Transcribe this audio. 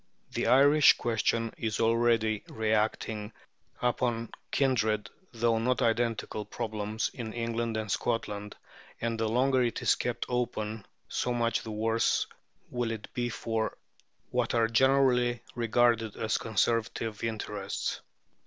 The Irish question is already reacting upon kindred, though not identical, problems in England and Scotland, and the longer it is kept open, so much the worse will it be for what are generally regarded as Conservative interests.